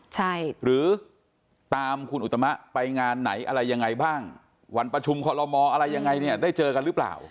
ใช่หรือตามคุณอุตมะไปงานไหนอะไรยังไงบ้างวันประชุมคอลโลมออะไรยังไงเนี่ยได้เจอกันหรือเปล่า